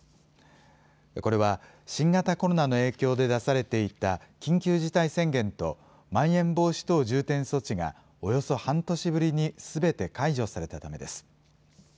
これは新型コロナの影響で出されていた緊急事態宣言とまん延防止等重点措置がおよそ半年ぶりにすべて解除されたためです。